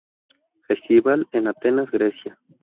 Festival en Atenas, Grecia.